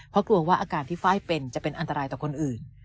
เพราะกลัวว่าอาการที่ไฟล์เป็นจะเป็นอันตรายต่อคนอื่น